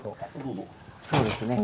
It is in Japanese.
そうですね。